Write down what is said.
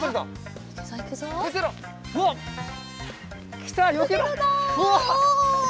きたよけろうお。